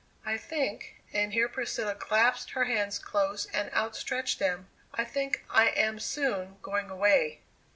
I think" and here Priscilla clasped her hands close and outstretched them "I think I am soon going away!"